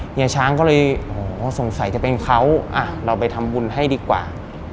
เฮียช้างก็เลยโหสงสัยจะเป็นเขาเราไปทำบุญให้ดีกว่า